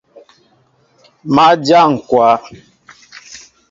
Má dyá ŋkwă.